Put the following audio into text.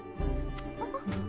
あっ。